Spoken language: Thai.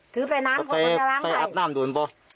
ถือไปน้ำไปอาบน้ำดูนเปล่า